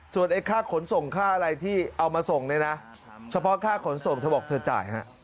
ส่วนไอ้ค่าขนส่งค่าอะไรที่เอามาส่งเนี่ยนะเฉพาะค่าขนส่งเธอบอกเธอจ่ายฮะ